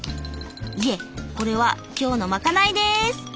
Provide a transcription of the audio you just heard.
いえこれは今日のまかないです！